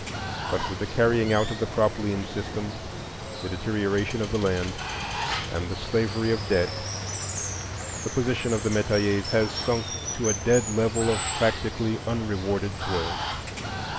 But with the carrying out of the crop lien system, the deterioration of the land, and the slavery of debt, the position of the metayers has sunk to a dead level of practically unrewarded toil.